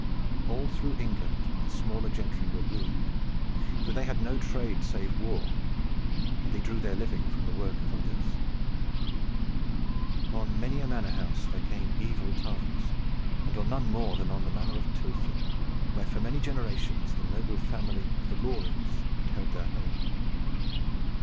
All through England the smaller gentry were ruined, for they had no trade save war, and they drew their living from the work of others. On many a manor house there came evil times, and on none more than on the Manor of Tilford, where for many generations the noble family of the Lorings had held their home.